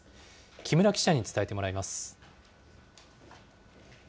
木村記者に伝えてもらいます。